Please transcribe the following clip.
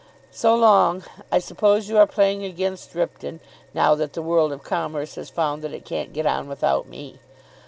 So long. I suppose you are playing against Ripton, now that the world of commerce has found that it can't get on without me.